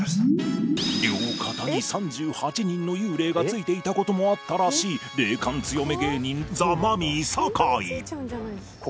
両肩に３８人の幽霊が憑いていた事もあったらしい霊感強め芸人ザ・マミィ酒井